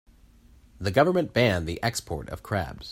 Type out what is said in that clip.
The government banned the export of crabs.